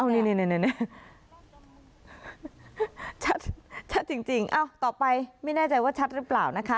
นี่ชัดจริงต่อไปไม่แน่ใจว่าชัดหรือเปล่านะคะ